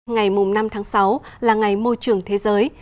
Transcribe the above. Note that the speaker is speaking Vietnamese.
ngày năm tháng sáu là ngày môi trường thế giới